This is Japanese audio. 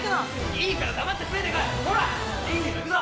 いいから黙ってついてこいほら凜々も行くぞ！